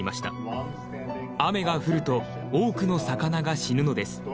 雨が降ると多くの魚が死ぬのです。